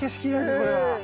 これは。